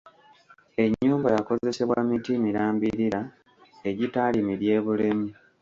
Ennyumba yakozesebwa miti mirambirira egitaali miryebulemu.